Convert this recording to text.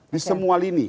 di semua lini